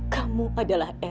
kamu adalah erik